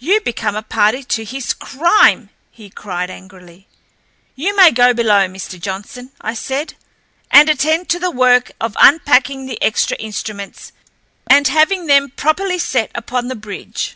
"You become a party to his crime!" he cried angrily. "You may go below, Mr. Johnson," I said, "and attend to the work of unpacking the extra instruments and having them properly set upon the bridge."